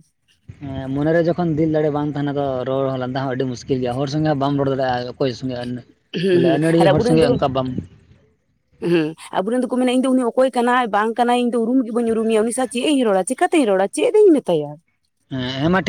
ᱦᱮᱸ ᱢᱚᱱᱮᱨᱮ ᱡᱚᱠᱷᱚᱱ ᱫᱤᱞ ᱫᱟᱲᱮ ᱵᱟᱝ ᱛᱟᱦᱮᱱᱟ ᱛᱚ ᱨᱚᱲ ᱞᱟᱸᱫᱟ ᱦᱚᱸ ᱟᱹᱰᱤ ᱢᱩᱥᱠᱤᱞ ᱜᱮᱭᱟ ᱦᱚᱲ ᱥᱚᱸᱜᱮ ᱦᱚᱸ ᱵᱟᱢ ᱨᱚᱲ ᱫᱟᱲᱮᱭᱟᱜᱼᱟ᱾ ᱚᱠᱚᱭ ᱥᱚᱸᱜᱮ ᱦᱩᱸ ᱵᱚᱞᱮ ᱦᱩᱸ ᱟᱹᱱᱟᱹᱲᱤ ᱦᱚᱲ ᱥᱚᱸᱜᱮ ᱚᱱᱠᱟ ᱵᱟᱢ ᱼᱼ ᱦᱩᱸ ᱟᱵᱩᱨᱮᱱ ᱫᱚᱠᱚ ᱢᱮᱱᱟ ᱤᱧ ᱫᱚ ᱩᱱᱤ ᱚᱠᱚᱭ ᱠᱟᱱᱟᱭ ᱵᱟᱝ ᱠᱟᱱᱟ ᱤᱧ ᱫᱚ ᱩᱨᱩᱢ ᱜᱮ ᱵᱟᱹᱧ ᱩᱨᱩᱢᱭᱟ ᱩᱱᱤ ᱥᱟᱶ ᱪᱮᱫ ᱤᱧ ᱨᱚᱲᱟ ᱪᱮᱠᱟᱛᱤᱧ ᱨᱚᱲᱟ᱾ ᱪᱮᱫ ᱤᱧ ᱢᱮᱛᱟᱭᱟ ᱦᱮᱸ ᱮᱢᱟ ᱼᱼ